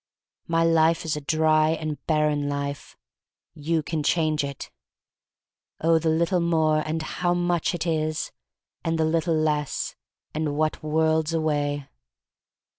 My life is a dry and barren life. You can change it. '*0h, the little more, and how much it is! And the little less, and what worlds away."